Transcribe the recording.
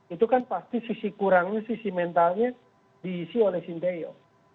itu kan pasti sisi kurangnya sisi mentalnya diisi oleh sinteyo